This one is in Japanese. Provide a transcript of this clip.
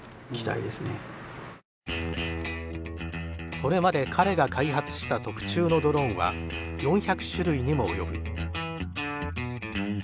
これまで彼が開発した特注のドローンは４００種類にも及ぶ。